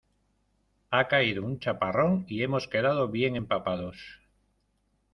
Ha caído un chaparrón ¡y hemos quedado bien empapados!